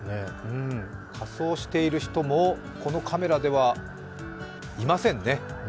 仮装している人もこのカメラではいませんね。